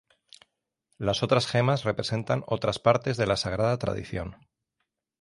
Las otras gemas representan otras partes de la Sagrada Tradición.